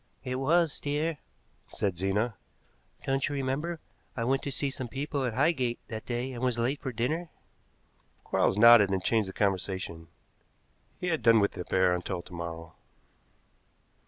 "It was, dear," said Zena. "Don't you remember, I went to see some people at Highgate that day and was late for dinner?" Quarles nodded and changed the conversation; he had done with the affair until to morrow.